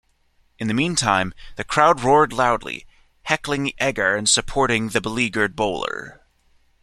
In the meantime, the crowd roared loudly, heckling Egar and supporting the beleaguered bowler.